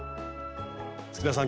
月田さん